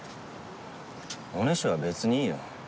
おねしょは別にいいよ。